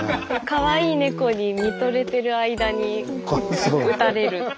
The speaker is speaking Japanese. かわいい猫に見とれてる間にうたれる。